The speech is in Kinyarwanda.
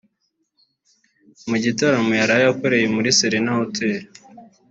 Mu gitaramo yaraye akoreye muri Serena Hotel